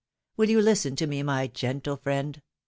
Will you listen to me, my gentle friend